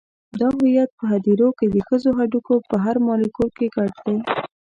دا هویت په هدیرو کې د ښخو هډوکو په هر مالیکول کې ګډ دی.